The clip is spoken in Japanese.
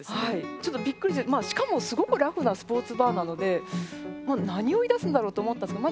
ちょっとびっくりしてしかもすごくラフなスポーツバーなので何を言いだすんだろうと思ったんですけど